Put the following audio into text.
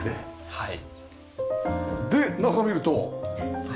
はい。